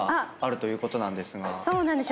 そうなんですよ。